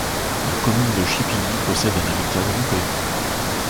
La commune de Chipilly possède un habitat groupé.